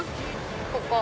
ここ。